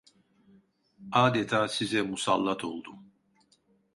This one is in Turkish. Adeta size musalLat oldum…